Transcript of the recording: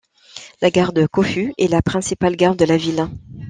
La gare de Kōfu est la principale gare de la ville.